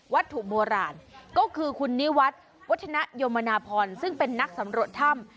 ถูกโบราณก็คือคุณนิวัฒน์วัฒนยมนาพรซึ่งเป็นนักสำรวจถ้ำ